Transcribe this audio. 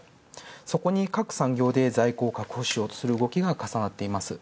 そこに各産業で在庫を確保しようとする動きが重なっています。